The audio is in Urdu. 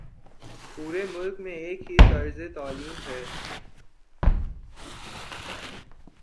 پورے ملک میں ایک ہی طرز تعلیم ہے۔